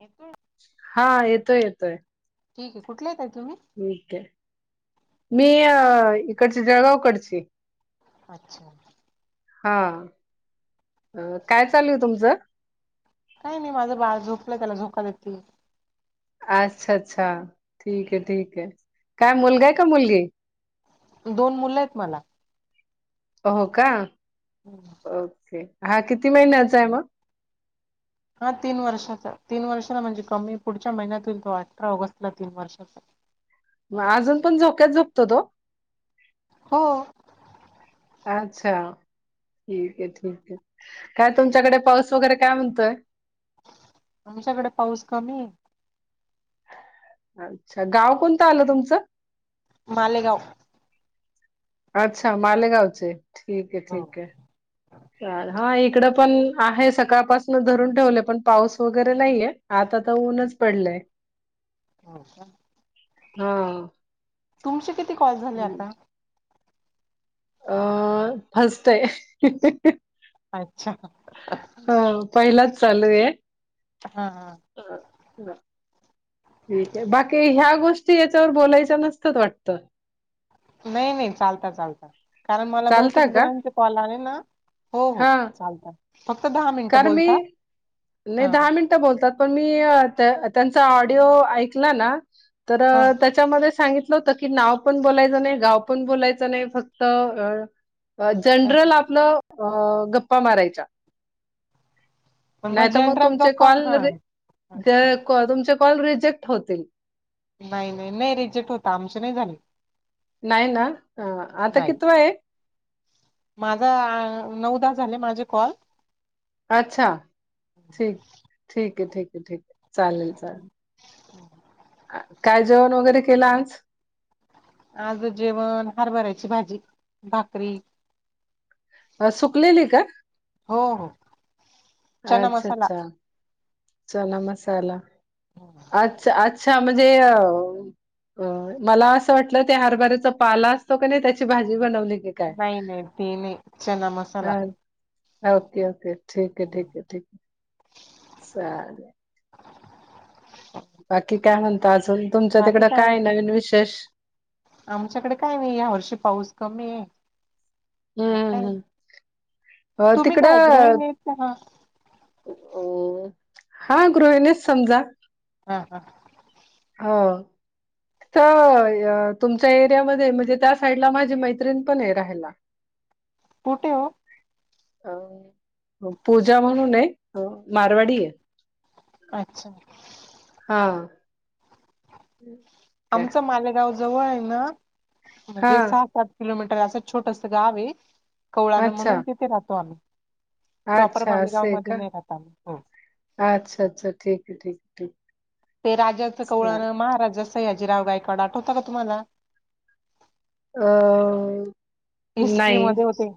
येतो हा येतोय येतोय. ठीक आहे कुठलेत आहे तुम्ही? मी त्या मी य इकडचे जळगावकडची. अच्छा. हा अ काय चालू आहे तुमचं? काय मी माझं बाळ झोपलं त्याला झोका देेती. अच्छा अच्छा ठीक आहे ठीक आहे काय मुलगा आहे का मुलगी? दोन मुलं आहेत मला. हो का. हम्म. ओके हा किती महिन्याचा आहे म? हा तीन वर्षाचा तीन वर्षाला म्हणजे कमी पुढच्या महिन्यात होईल तो अठरा ऑगस्टला तीन वर्षाचा. मग अजून पण झोक्यात झोपतो तो? हो. अच्छा. ठीक आहे ठीक आहे काय तुमच्याकडे पाऊस वगैरे काय म्हणतोय? आमच्याकडे पाऊस कमी आहे. अच्छा गाव कोणतं आलं तुमचं. मालेगाव. अच्छा मालेगावचे ठीक आहे, हो ठीक आहे हा एक इकडे पण आहे सकाळपासनं धरून ठेवलयं पण पाऊस वगैरे नाहीये, आता तर ऊनच पडलंय. [inaudible] हा का. हो. तुमचे किती कॉल झाले आता अ हं फस्ट आहे. अच्छा हो पहिलाच चालू आहे. हा हा. ठीक आहे बाकी ह्या गोष्टीच तर बोलायच नुसतंच वाटतं. नाही नाही चालता चालता कारण मला चालता बहुतेक का जणांचे कॉल आलेना हो हो हा चालता फक्त दहा मिनटं बोलता हा हं. ते बोलतात कि मी त्यांचा ऑडिओ ऐकलं नं तर हा त्या त्यामध्ये सांगितलं होत की नाव पण बोलायचं नाही, गाव पण बोलायचं नाही फक्त अ हा जनरल आपलं अ गप्पा मारायच्या. पण नाही तर मग जनरल तुमचे गप्पा कॉल हा. रि हा. ज कॉल तुमचे कॉल रिजेक्ट होतील. नाही नाही, नाही रिजेक्ट होतं आमचे नाही झाले. नाही ना, हा आता नाही कितवा आहे माझा आ नऊ दहा झाले माझे कॉल. अच्छा ठीक ठीक आहे ठीक आहे ठीक आहे, चालेल चालेल. [unintelligible] काय जेवण वगैरे केल आज. आज जेवण हरभऱ्याची भाजी, भाकरी. ह सुकलेली का. हो हो. चना अच्छा मसाला अच्छा. चना मसाला अच्छा अच्छा म्हणजे अ होय मला असं वाटलं ते हरबऱ्याचा पाला असतो का नाही, त्याची भाजी बनवली कि. नाही नाही ते नाही चना हा मसाला. ओके ओके ठीक आहे ठीक आहे ठीक चालेल. बाकी काय म्हणता अजुन. बाकी कायच नाय, आमच्याकडे काय यावर्षी पाऊस कमी आहे. हम्म म हम्म काय हम्म अ तुम्ही काय गृहिणी आहेत का म. अअ हा गृहिणीच समजा. हा हा. हो. त्या तुमच्या एरियामध्ये म्हणजे त्या साईडला माझी मैत्रिण पण आहे राहायला. कुठं हो अं पूजा म्हणून आहे, मारवाडी आहे. अच्छा! हा. आमच मालेगाव जवळ आय ना म्हणजे हा सहा सात किलोमीटर असं छोटस गाव आये कोवळानं अच्छा, म्हणून तिथे राहतो आम्ही. प्रॉपर अच्छा मालेगाव मध्ये नाही राहत आम्ही हो. हां अच्छा अच्छा ठीके ठीके ठीक. ते राजाचं आहे. हां. कवळानं महाराजाचा सयाजीराव गायकवाड आठवत का तुम्हाला? अ हिस्ट्री नाही मध्ये होते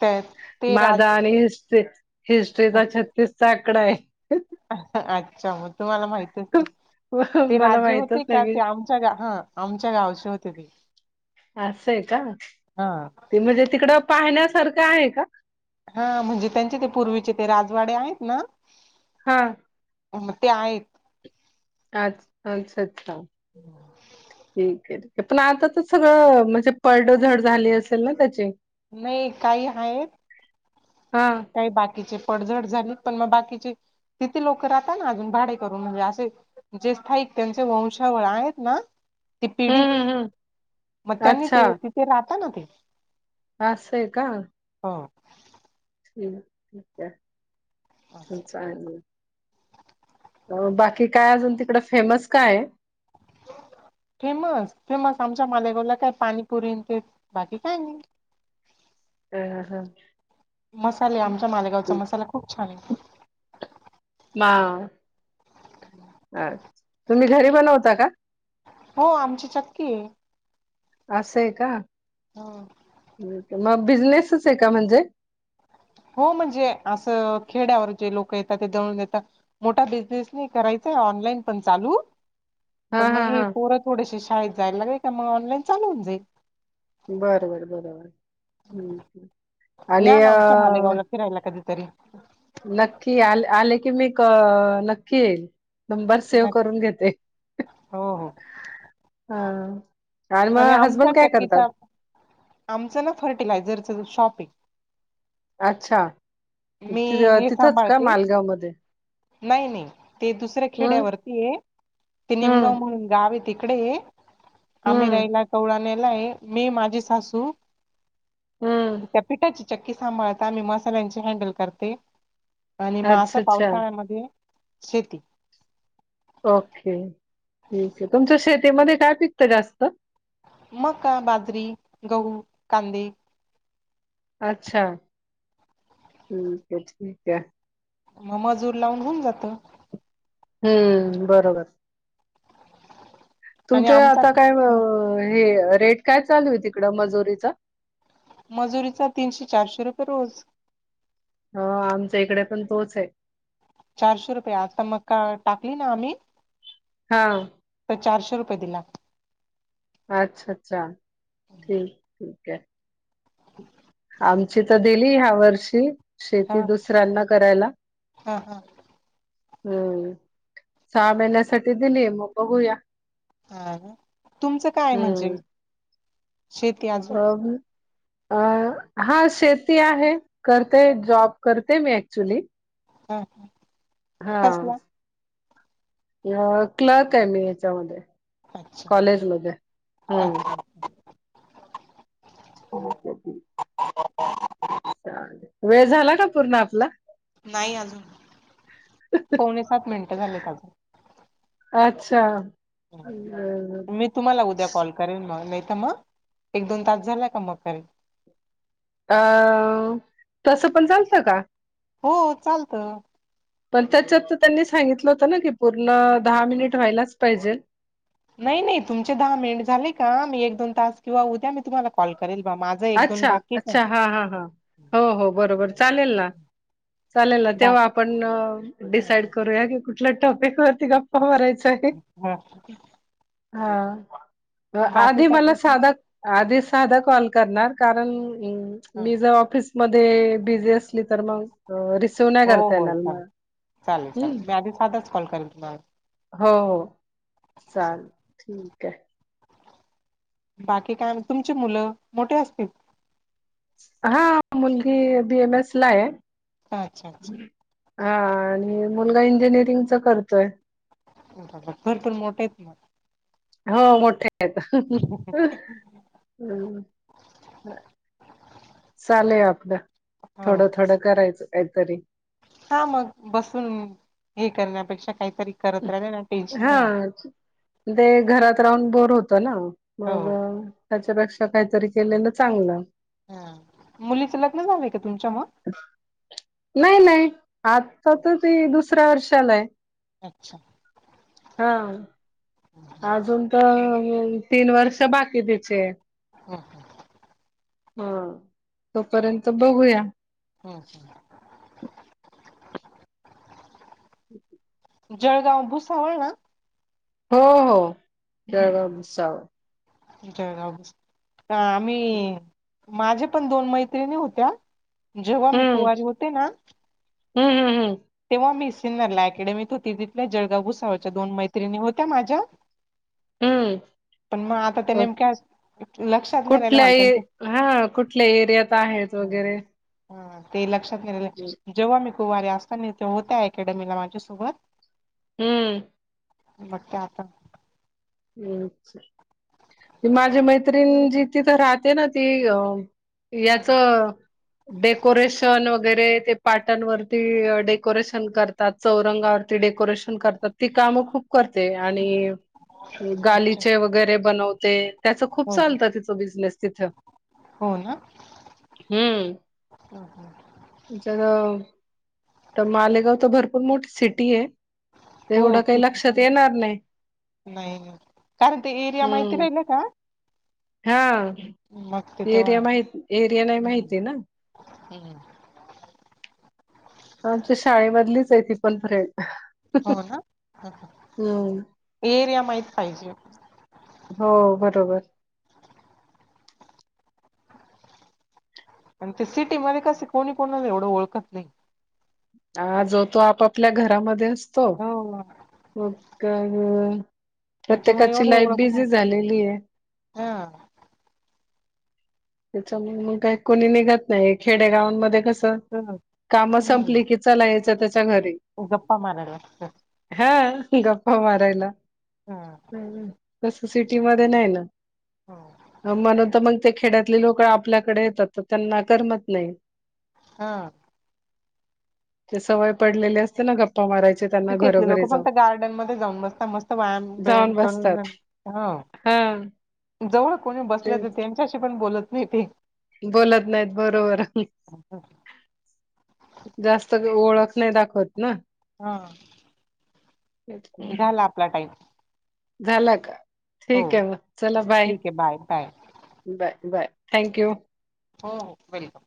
त्या ते राज माझा आणि इसपेक हिस्ट्रीचा छत्तीस चा आकडा आहे. अच्छा मग तुम्हाला माहित ते मला राजे माहितच होते नाही का मी ते आमच्या ग- हा आमच्या गावाचे होते ते. असं आहे का! हा ते म्हणजे तिकडं पाहण्यासारखं आहे का? हा म्हणजे त्यांचे ते पुरवीचे राजवाडे आहेत ना? हा. म ते आहेत. आज अच्छा अच्छा! [inaudible] ठीके पण आता तर सगळं म्हणजे पढ झड झाली असेल ना त्याचे. नाही काही आहेत. हा. काही बाकीचे पडझड झाली पण म बाकीचे तिथी लोक राहतात ना अजून भाडे करून म्हणजे असे जे स्थायिक त्यांचे वंशावळ आहेत ना? ती हं, पिढ हं, हं. म त्यांनी अच्छा ते तिथे राहताना त्यांनी. हां असंय का? हो. [unintelligible] म चालल. अ बाकी काय अजून तिकड फेमस काय आहे? फेमस फेमस आमच्या मालेगावाला काय पाणीपुरी ते बाकी काय नाही. ह हं. मसाले आमचा मालेगावचा मसाला खूप छान आहे. मा अच्छा तुम्ही घरी बनवता का? हो आमची चक्कीये. असं आहे का, ह मग बिझनेसच आहे का म्हणजे? हो म्हणजे असं खेड्यावर जे लोक येतात ते दळून येतात. मोठा बिझनेस नाही, करायचा ऑनलाईन पण चालू. हा पण मग हा हे हा पोरं थोडसे शळेत जाय लागले का मग ऑनलाईन चालू होऊन जाईल. बरोबर बरोबर. हम्म आणि या ना अ आमच्या मालेगावला फिरायला कधीतरी नक्की आले -आले की मी क नक्की येईल. नंबर सेव्ह करून घेते हो हो हा. आणि मग आमच्या हसबंड काय करतात? चक्कीचा आमचं ना फर्टिलायझरच शॉपये. अच्छा! मी ति हे तिथंच का सांभाळते मालगाव मध्ये? नाही, नाही ते दुसऱ्या हम्म खेड्यावरती आहे ते निमगाव हम्म म्हणून गाव आहे तीकडे आम्ही हम्म राहिला कवळाणेला हाये, मी, माझी सासू हम्म [unintelligible] पिठाची चक्की सांभाळता मी मसाल्यांची हँडल करते आणि म असं अच्छा अच्छा पावसाळ्यामधी शेती ओके, ठीक आहे, तुमच्या शेतीमध्ये काय पिकतं जास्त? मका, बाजरी, गहू, कांदे अच्छा, हम्म, त ठीक आहे म मजूर लावून होऊन जातं. हम्म, बरोबर आणि तुमच्या आमचा आता काय हे, रेट काय चालू आहे तिकडं मजुरीचा? मजुरीचा तीनशे, चारशे रुपये रोज. ह आमच्या इकडे पण तोच आहे. चारशे रुपये, आता मका टाकली ना आम्ही हा तर चारशे रुपये दिलात अच्छा, अच्छा, ठीक, ठीक आहे. आमची तर दिली, ह्या वर्षी हा शेती, दुसऱ्यांना करायला हा हा हम्म, सहा महिन्यासाठी दिली, मग बघूया? हा, हा, तुमचं काय म्हणजे, शेती अजून [unintelligible] अ--हा शेती आहे करते, जॉब करते मी ऍक्च्युली हम्म हा अ क्लर्क आहे मी याच्यामध्ये, अच्छा कॉलेज मध्ये, अच्छा हम्म वेळ झाल ना पूर्ण आपला नाही अजून, पावणे सात मिनिटं झालेत अजून अच्छा मी तुम्हाला उद्या कॉल करेल मग, नाही तर मग, एक दोन तास झाला का मग करेल. अ तसं पण चालत का? हो, चालतं पण, त्याच्यात तर त्यांनी सांगितलं होत ना, की पूर्ण दहा मिनिट व्हायलाच पाहिजेल नाही, नाही तुमचे दहा मिनिट झाले, का मी एक दोन तास किंवा उद्या मी तुम्हाला कॉल करेल बा माझं एक दोन अच्छा, बाकीच आहे. अच्छा हा, हा, हा, हो, हो बरोबर, चालेल ना चालेल ना, बा तेव्हा आपण डिसाईड करूया की, कुठल्या टॉपिकवरती गप्पा मारायच आहे. ह हा, बाकी आधी काय मला साधा आधी साधा कॉल करणार, कारण ह मी जवा ऑफिस मध्ये बिझी असली, तर मग अ रिसीव नाय हो करता हो येणार म, चालेल. चालेल हम्म चालेल मी आधी साधाच कॉल करेल तुम्हाला. हो, हो, चाल, ठीक आहे बाकी काय, तुमची मुलं, मोठे असतील हा, मुलगी बी एम एस, ला आहे. अच्छा अच्छा. हा, आणि मुलगा इंजिनिअरिंगच करतोय. भर पण मोठे आहेत ना. हो मोठे आहेत. हम्म, चाले आपल. हा थोडं थोडं करायचं काहीतरी. हा मग बसून हे करण्यापेक्षा काहीतरी करत राहिलं ना टेन्शन हा नाही राहत. ते घरात राहून बोर होत ना हो मग त्याच्यापेक्षा काहीतरी केलेलं चांगलं. हम्म, मुलीचं लग्न झालय का तुमच्या मग? नाही नाही आता तर ते दुसऱ्या वर्षाला आय. अच्छा! हा अजून तर तीन वर्ष बाकी तिचे. हम्म. हा तोपर्यंत बघूया. हम्म हम्म. [inaudible] जळगाव भुसावळे ना. हो हो जळगाव भुसाव त आम्ही माझ्या पण दोन मैत्रिणी होत्या. जेव्हा मी हम्म कुवारी होते ना. हम्म हम्म. तेव्हा मी सिन्नरला अकेडमीत होती, तिथल्या जळगा भुसाळच्या दोन मैत्रिणी होत्या माझ्या. हम्म. पण मग आता ते हम्म नेमक्या लक्षात नाही राहिलं कुठल्या मला ए त्यांचं -हा कुठल्या एरियात आहेत वगैरे. हा ते लक्षात नाही राहिलं, जेव्हा मी कुवारी असता तेव्हा होत्या अकॅडमीला माझ्यासोबत. हम्म. बघते आता. [unintelligible] माझ्या मैत्रिण जी तिथ राहते ती अ हा याच हा. डेकोरेशन वगैरे ते पाटंनवरती डेकोरेशन करतात, चौरंगावरती डेकोरेशन करतात. ती काम खूप करते आणि अच्छा गालीचे वगैरे बनवते त्याच खूप हो चालतं तिचं बिझनेस तिथं. हो ना हम्म. हं हं. ज तर मालेगाव तर भरपूर मोठी सिटी आहे. हो तेवढं काही फिट लक्षात येणार नाही. नाही नाही कारण ते एरिया माहिती हम्म राहिलय का? हा मग ते तेव्हा एरिया माहित, एरिया नाही माहिती ना. हम्म. आमच्या शाळेमधलीच आहे ती पण फ्रेंड. हो ना हम्. एरिया माहीत पाहिजे. हो बरोबर. आणि ते सिटी मध्ये कसे कोणी कोणाला एवढं ओळखत नाही. ह जो तो आपापल्या घरामध्ये असतो. हो. हो का त्याच्यामुळे प्रत्येकाची एवढी लाईफ ओळख नाही. बिझी झालेली आहे. हा त्याच्यामुळे मग काही कुणी निघत नाही खेडेगावांमध्ये कसं तर, काम हम्म संपली की चला याच्या त्याच्या घरी. गप्पा मारायला ह हा गप्पा मारायला. हम् हम्म तसं सिटी मध्ये नाही हो. ना म्हणून त मग ते खेड्यात तले लोक आपल्याकडे येतात तर त्यांना करमत नाही. हा ते सवय पडलेली असते ना गप्पा मारायचे. त्यांना सिटीतले लोक घरोघरी जाऊन फक्त गार्डन मध्ये जाऊन बसता मस्त वायाम बियाम जाऊन करून बसतात [unintelligible] ह हा जवळ कोणी बसलं तेच तर त्यांच्याशी पण बोलत नाही ते बोलत नाहीत बरोबर ह. जास्त बी ओळख नाही दाखवत ना. हा झाला आपला टाइम. झाला का हो ठीक आहे म चला बाय. ठीक आहे बाय बाय बाय थँक्यू. हो हो वेलकम.